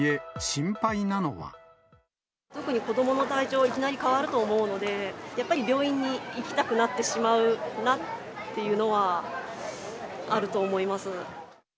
特に、子どもの体調はいきなり変わると思うので、やっぱり病院に行きたくなってしまうなっていうのはあると思います。